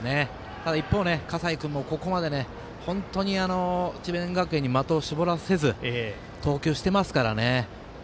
ただ、一方の葛西君も本当に智弁学園に的を絞らせず投球してますからね。